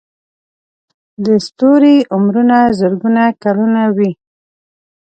د ستوري عمرونه زرګونه کلونه وي.